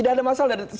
tidak ada masalah